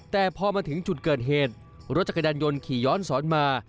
แต่พอมาถึงจุดเกิดเหตุรถจักรยานยนต์ขี่ย้อนสอนมา